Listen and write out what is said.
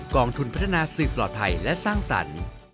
องทุนพัฒนาสื่อปลอดภัยและสร้างสรรค์